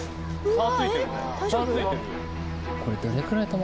差ついてるよ。